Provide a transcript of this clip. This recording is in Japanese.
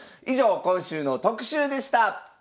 以上今週の特集でした！